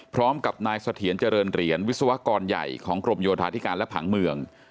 พร้อมกับนายเสถียรเจริญเหรียญวิศวกรใหญ่ของกรมโยธาธิการและผังเมือง